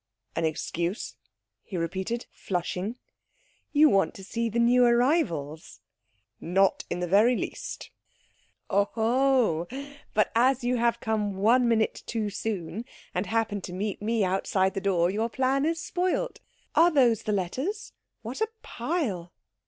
"An excuse?" he repeated, flushing. "You want to see the new arrivals." "Not in the very least." "Oh, oh! But as you have come one minute too soon, and happened to meet me outside the door, your plan is spoilt. Are those the letters? What a pile!"